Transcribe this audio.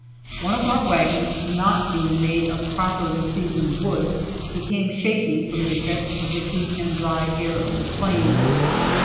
One of our wagons not being made of properly seasoned wood, became shaky from the effects of the heat and dry air of the plains.